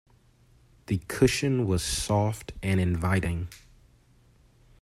The cushion was soft and inviting.